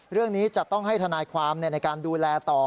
เรื่องนี้จะต้องให้ทนายความในการดูแลต่อ